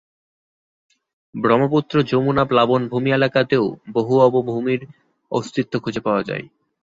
ব্রহ্মপুত্র-যমুনা প্লাবনভূমি এলাকাতেও বহু অবভূমির অস্তিত্ব খুঁজে পাওয়া যায়।